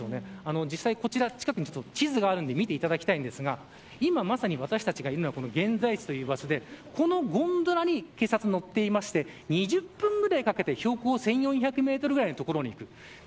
実際こちら近くに地図があるんで見ていただきたいんですが今まさに私たちがいるのが現在地という場所でこのゴンドラに警察、乗っていまして２０分ぐらいかけて標高１４００メートルぐらいの所に行く。